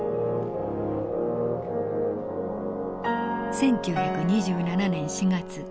１９２７年４月。